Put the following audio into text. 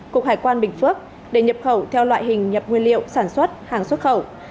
cục hải quan bình phước để nhập khẩu theo loại hình nhập nguyên liệu sản xuất hàng xuất khẩu